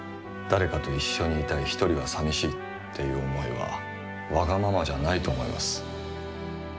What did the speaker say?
誰かと一緒にいたいひとりはさみしいっていう思いはわがままじゃないと思います。